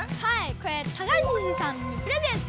これ高岸さんにプレゼント！